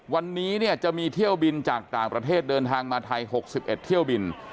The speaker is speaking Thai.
วันนี้เนี่ยจะมีเที่ยวบินจากต่างประเทศเดินทางมาไทย๖๑เที่ยวบิน